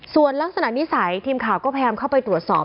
ส่วนลักษณะนิสัยทีมข่าวก็พยายามเข้าไปตรวจสอบ